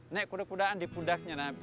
naik kuda kudaan di pudaknya